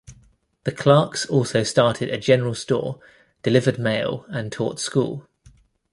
The Clarks also started a general store, delivered mail, and taught school.